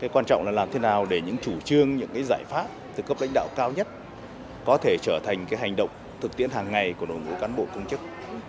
quan trọng là làm thế nào để những chủ trương những giải pháp từ cấp lãnh đạo cao nhất có thể trở thành hành động thực tiễn hàng ngày của đồng ngũ cán bộ công chức